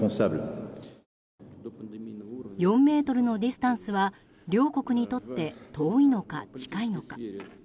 ４ｍのディスタンスは両国にとって遠いのか、近いのか。